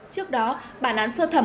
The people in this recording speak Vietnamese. trước đó bản án sơ thẩm